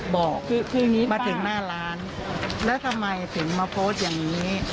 บอกคือมาถึงหน้าร้านแล้วทำไมถึงมาโพสต์อย่างนี้